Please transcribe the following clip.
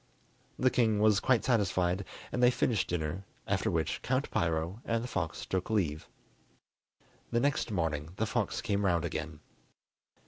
The king was quite satisfied, and they finished dinner, after which Count Piro and the fox took leave. The next morning the fox came round again.